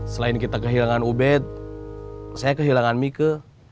selain kita kehilangan ubed saya kehilangan mike